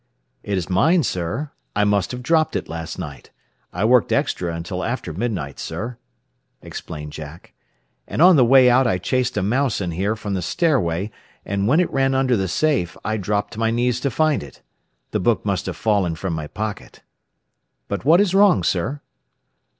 "It is mine, sir. I must have dropped it last night. I worked extra until after midnight, sir," explained Jack, "and on the way out I chased a mouse in here from the stairway, and when it ran under the safe I dropped to my knees to find it. The book must have fallen from my pocket. "But what is wrong, sir?"